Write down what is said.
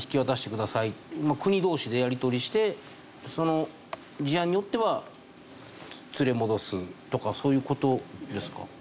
国同士でやり取りしてその事案によっては連れ戻すとかそういう事ですか？